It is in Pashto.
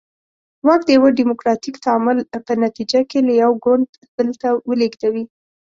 واک د یوه ډیموکراتیک تعامل په نتیجه کې له یو ګوند بل ته ولېږدوي.